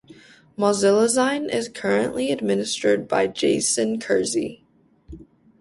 MozillaZine is currently administrated by Jason Kersey.